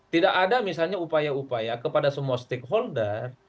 tidak ada misalnya upaya upaya kepada semua stakeholder